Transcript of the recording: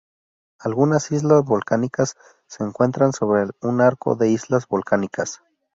Algunas isla volcánicas se encuentran sobre un arco de islas volcánicas.